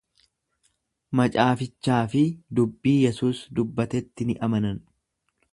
Macaafichaa fi dubbii Yesuus dubbatetti ni amanan.